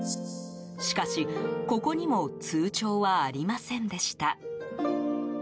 しかし、ここにも通帳はありませんでした。